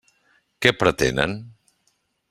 Què pretenen?